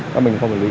là mình không hợp lý